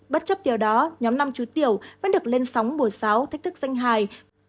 bất chấp điều đó nhóm năm chú tiểu vẫn được lên sóng mùa sáu thách thức danh hài